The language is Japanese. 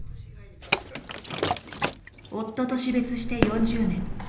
夫と死別して４０年。